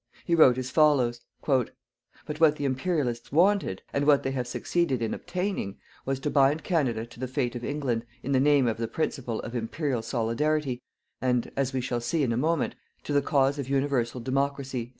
He wrote as follows: "_But what the Imperialists wanted, and what they have succeeded in obtaining, was to bind Canada to the fate of England, in the name of the principle of Imperial solidarity and as we shall see in a moment to the cause of_ 'UNIVERSAL DEMOCRACY'."